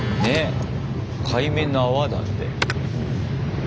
海面の泡だって。